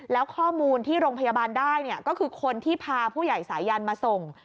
แล้วข้อมูลที่โรงพยาบาลได้ก็คือคนที่พาผู้ใหญ่สายันมาส่ง